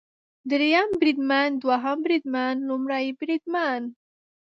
دریم بریدمن، دوهم بریدمن ، لومړی بریدمن